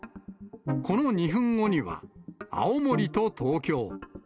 この２分後には青森と東京。